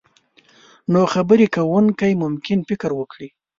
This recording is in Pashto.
نو خبرې کوونکی ممکن فکر وکړي.